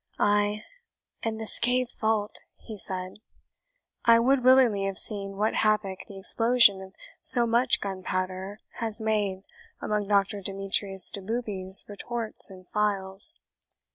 Ay, and the scathed vault!" he said; "I would willingly have seen what havoc the explosion of so much gunpowder has made among Doctor Demetrius Doboobie's retorts and phials.